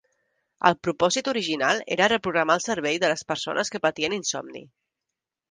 El propòsit original era reprogramar el cervell de les persones que patien insomni.